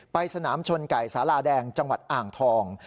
ไปสนามชนไก่สาลาแดงจังหวัดอ่างทอง